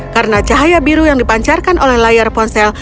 karena cahaya biru yang dipancarkan oleh layar ponsel